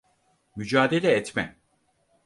Mücadele etme.